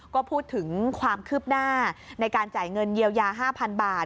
ก็พูดถึงความคืบหน้าในการจ่ายเงินเยียวยา๕๐๐๐บาท